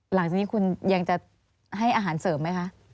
หลังจากนี้คุณยังจะให้อาหารเสริมไหมคะ